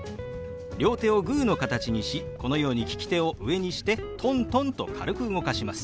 両手をグーの形にしこのように利き手を上にしてトントンと軽く動かします。